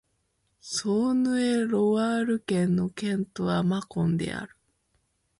ソーヌ＝エ＝ロワール県の県都はマコンである